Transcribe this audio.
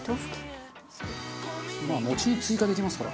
まあのちに追加できますから。